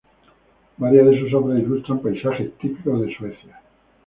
Varias de sus obras ilustran paisajes típicos de Suecia.